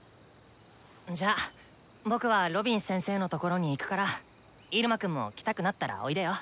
じゃあ僕はロビン先生のところに行くからイルマくんも来たくなったらおいでよ。